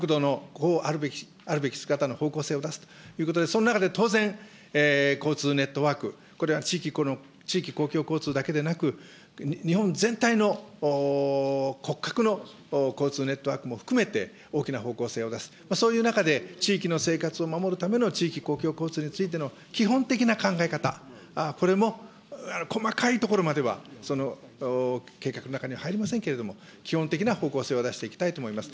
基本的な国土の、こうあるべき姿の方向性を出すということで、その中で当然交通ネットワーク、これは地域公共交通だけでなく、日本全体の骨格の交通ネットワークも含めて、大きな方向性を出す、そういう中で、地域の生活を守るための地域公共交通についての基本的な考え方、これも、細かいところまでは計画の中には入りませんけれども、基本的な方向性を出していきたいと思います。